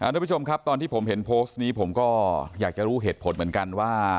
ทุกผู้ชมครับตอนที่ผมเห็นโพสต์นี้ผมก็อยากจะรู้เหตุผลเหมือนกันว่า